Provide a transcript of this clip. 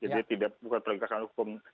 jadi bukan perlengkapan hukum